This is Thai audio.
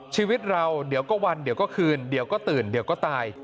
ชีวิตเราเดี๋ยวก็วันเดี๋ยวก็คืนเดี๋ยวก็ตื่นเดี๋ยวก็ตาย